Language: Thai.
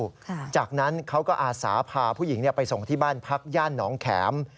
จากนั้นเขาก็อาสาพาผู้หญิงไปส่งที่บ้านพักย่านหนองแข็ม